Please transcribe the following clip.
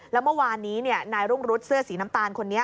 แล้วเมื่อวานนี้นายรุ่งรุษเสื้อสีน้ำตาลคนนี้